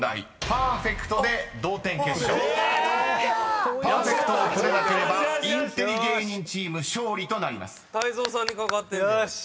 ［パーフェクトを取れなければインテリ芸人チーム勝利となります］